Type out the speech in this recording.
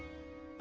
あ？